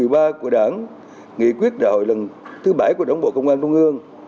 chúng ta tiếp tục quán kiệt nghị quyết đảo lần thứ bảy của đảng bộ công an trung ương